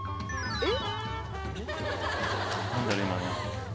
えっ？